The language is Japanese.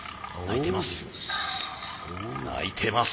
鳴いてます。